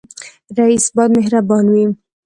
رئیس باید مهربان وي